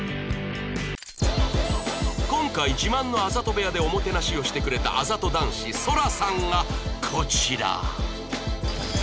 今回自慢のあざと部屋でおもてなしをしてくれたあざと男子そらさんがこちら